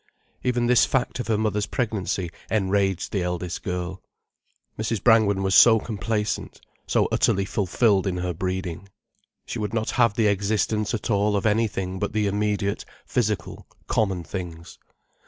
Even this fact of her mother's pregnancy enraged the eldest girl. Mrs. Brangwen was so complacent, so utterly fulfilled in her breeding. She would not have the existence at all of anything but the immediate, physical, common things.